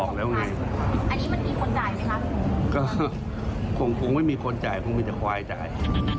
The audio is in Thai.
ก็คงไม่มีคนจ่ายคงมีแต่ควายจ่าย